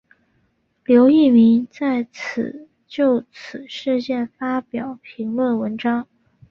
刘逸明再次就此事件发表评论文章。